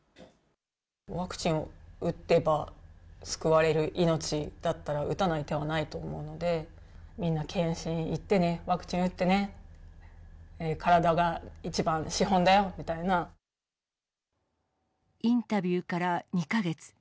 ワクチンを打てば救われる命だったら、打たない手はないと思うので、みんな検診行ってね、ワクチン打ってね、体が一番、資本だよみたインタビューから２か月。